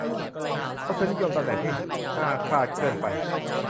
ทศนิยมตำแหน่งที่ห้าคลาดเคลื่อนไป